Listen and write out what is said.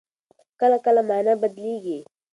کله کله مانا بدلېږي.